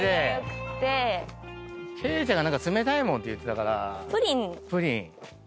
ケイちゃんが何か冷たいもんって言ってたから。